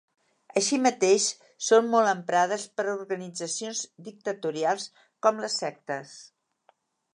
Així mateix, són molt emprades per organitzacions dictatorials com les sectes.